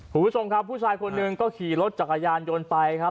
คุณผู้ชมครับผู้ชายคนหนึ่งก็ขี่รถจักรยานยนต์ไปครับ